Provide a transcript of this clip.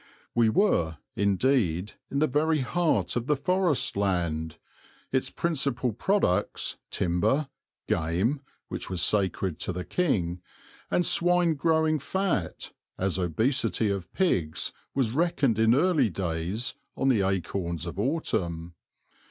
We were, indeed, in the very heart of the forest land, its principal products timber, game, which was sacred to the king, and swine growing fat, as obesity of pigs was reckoned in early days, on the acorns of autumn.